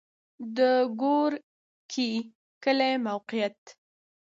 د ګورکي کلی موقعیت